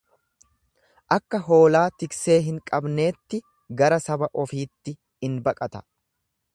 Akka hoolaa tiksee hin qabneetti gara saba ofiitti in baqata.